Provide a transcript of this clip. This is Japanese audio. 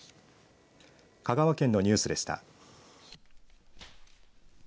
香川県のニュースでした。